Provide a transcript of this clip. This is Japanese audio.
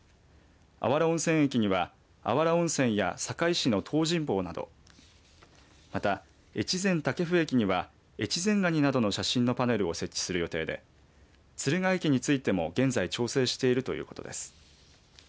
あわら温泉駅にはあわら温泉や坂井市の東尋坊などまた、越前たけふ駅には越前ガニなどの写真のパネルを設置する予定で敦賀駅についても現在調整しているということです。